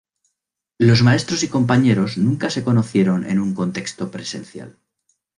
Los maestros y compañeros nunca se conocieron en un contexto presencial.